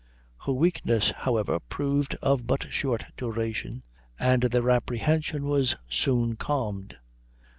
Her weakness, however, proved of but short duration, and their apprehension was soon calmed.